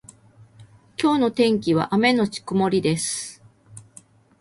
今日の天気は雨のち曇りです。